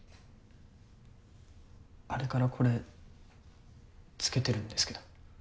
あれからこれつけてるんですけど。